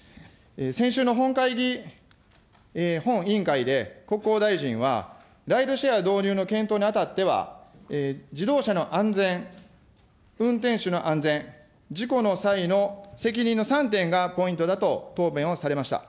先週の本会議、本委員会で、国交大臣は、ライドシェア導入の検討にあたっては、自動車の安全、運転手の安全、事故の際の責任の３点がポイントだと答弁をされました。